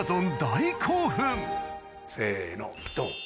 大興奮せのドン！